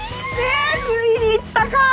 ついにいったか！